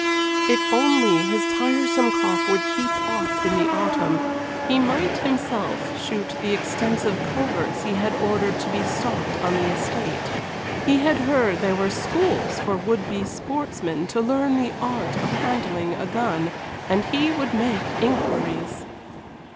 If only his tiresome cough would keep off in the autumn, he might himself shoot the extensive coverts he had ordered to be stocked on the estate. He had heard there were schools for would be sportsmen to learn the art of handling a gun, and he would make inquiries.